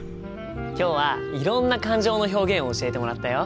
今日はいろんな感情の表現を教えてもらったよ。